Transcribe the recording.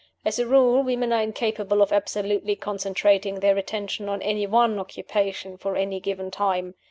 As a rule, women are incapable of absolutely concentrating their attention on any one occupation for any given time.